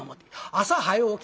朝早う起き